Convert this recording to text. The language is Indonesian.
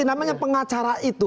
namanya pengacara itu